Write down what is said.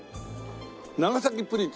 「長崎プリン」